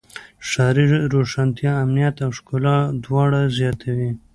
ښاري روښانتیا امنیت او ښکلا دواړه زیاتوي.